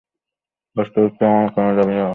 বাস্তবিক তো আমার কোন দাবী-দাওয়া নেই।